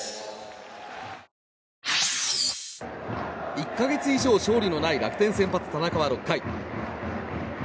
１か月以上、勝利のない楽天先発の田中は６回。